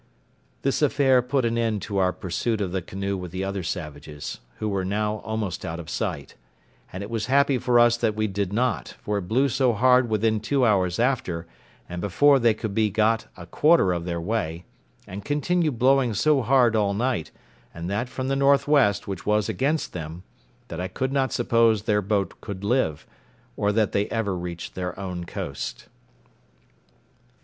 This affair put an end to our pursuit of the canoe with the other savages, who were now almost out of sight; and it was happy for us that we did not, for it blew so hard within two hours after, and before they could be got a quarter of their way, and continued blowing so hard all night, and that from the north west, which was against them, that I could not suppose their boat could live, or that they ever reached their own coast.